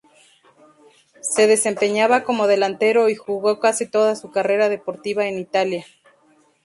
Se desempeñaba como delantero y jugó casi toda su carrera deportiva en Italia.